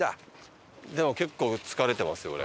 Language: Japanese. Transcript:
でも結構疲れてますよ俺。